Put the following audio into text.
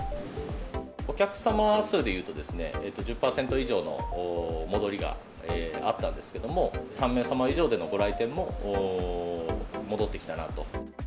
お客様数でいうと、１０％以上の戻りがあったんですけども、３名様以上でのご来店も戻ってきたなと。